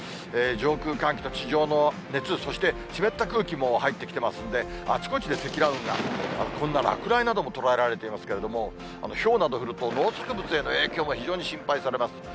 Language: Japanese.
上空、寒気と地上の熱、そして湿った空気も入ってきてますんで、あちこちで積乱雲が、こんな落雷なども捉えられていますけれども、ひょうなど降ると、農作物への影響も非常に心配されます。